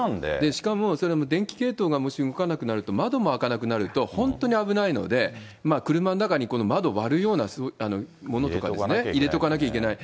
しかもそれ、電気系統が動かなくなると、窓も開かなくなるので本当に危ないので、車の中に窓割るようなものとか入れとかなきゃいけない。